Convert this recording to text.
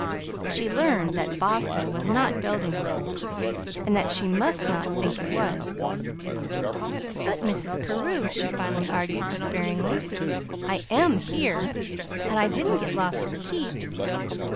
She learned that Boston was not Beldingsville, and that she must not think it was. "But, Mrs. Carew," she finally argued despairingly, "I AM here, and I didn't get lost for keeps.